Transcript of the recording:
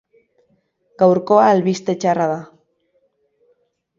Gaurkoa albiste txarra da.